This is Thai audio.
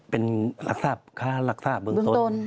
เป็นค่ารักษาเบื้องต้น